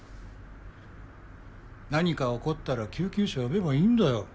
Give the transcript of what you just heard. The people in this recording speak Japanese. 何か起こったら救急車呼べばいいんだよ。